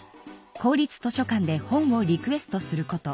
公立図書館で本をリクエストすること。